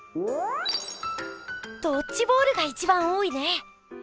「ドッジボール」が一番多いね。